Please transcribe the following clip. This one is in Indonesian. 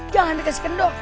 jangan dikasih kendok